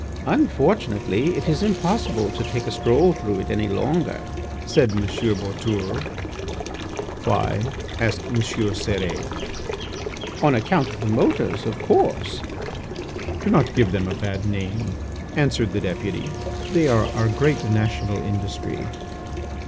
"Unfortunately, it is impossible to take a stroll through it any longer," said M. Boutourlé. "Why?" asked M. Cérès. "On account of the motors, of course." "Do not give them a bad name," answered the Deputy. "They are our great national industry."